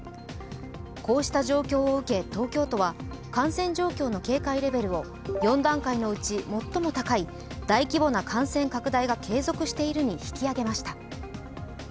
こうした状況を受け東京都は感染状況の警戒レベルを４段階のうち最も高い大規模な感染拡大が継続しているに引き上げました。